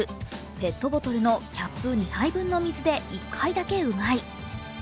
ペットボトルのキャップ２杯分の水で１回だけうがい。